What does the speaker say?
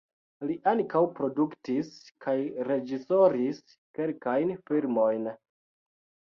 Li ankaŭ produktis kaj reĝisoris kelkajn filmojn.